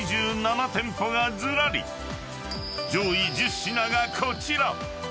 ［上位１０品がこちら］